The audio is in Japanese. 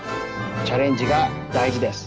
チャレンジがだいじです。